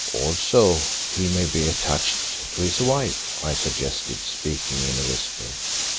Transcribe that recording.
"Also he may be attached to his wife," I suggested, speaking in a whisper.